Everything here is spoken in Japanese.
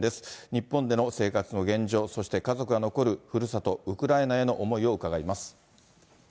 日本での生活の現状、そして家族が残るふるさと、ウクライナへの思いを伺います。